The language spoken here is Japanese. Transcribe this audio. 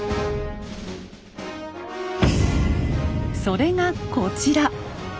それがこちら。